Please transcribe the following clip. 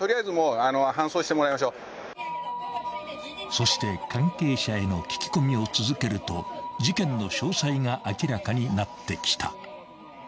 ［そして関係者への聞き込みを続けると事件の詳細が明らかになってきた］